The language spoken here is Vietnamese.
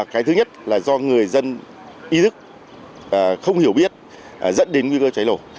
cái thứ nhất là do người dân ý thức không hiểu biết dẫn đến nguy cơ cháy nổ